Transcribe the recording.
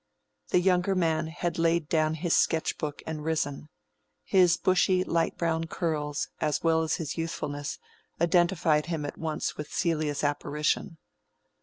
The young man had laid down his sketch book and risen. His bushy light brown curls, as well as his youthfulness, identified him at once with Celia's apparition.